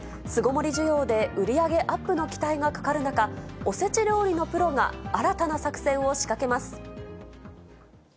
巣ごもり需要で売り上げアップの期待がかかる中、おせち料理のプロが新たな作戦を仕掛けます。